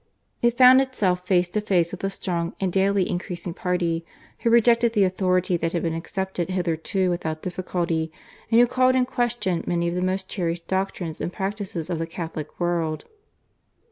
It found itself face to face with a strong and daily increasing party, who rejected the authority that had been accepted hitherto without difficulty, and who called in question many of the most cherished doctrines and practices of the Catholic world.